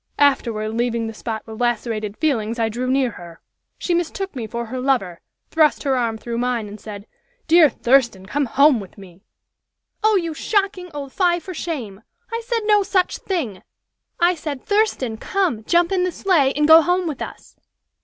Afterward leaving the spot with lacerated feelings I drew near her. She mistook me for her lover, thrust her arm through mine, and said, 'Dear Thurston, come home with me '" "Oh! you shocking old fye for shame! I said no such thing! I said, Thurston! Come! Jump in the sleigh and go home with us.'"